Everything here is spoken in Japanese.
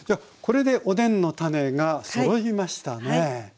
これでおでんの種がそろいましたね！